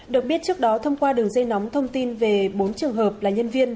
được biết trước đó thông qua đường dây nóng thông tin về bốn trường hợp là nhân viên